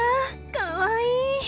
かわいい。